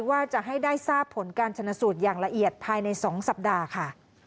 ว่าจะให้ได้ทราบผลการชนะสูตรอย่างละเอียดภายใน๒สัปดาห์ค่ะ